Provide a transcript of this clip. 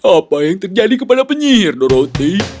apa yang terjadi kepada penyihir doroti